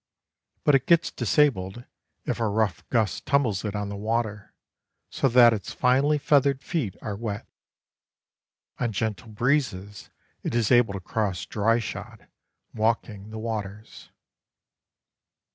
But it gets disabled if a rough gust tumbles it on the water so that its finely feathered feet are wet. On gentle breezes it is able to cross dry shod, walking the waters.